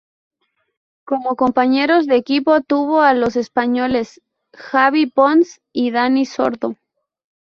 Como compañeros de equipo tuvo a los españoles Xavi Pons y Dani Sordo.